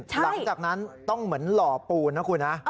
หลังจากนั้นต้องเหมือนหล่อปูนนะคุณนะ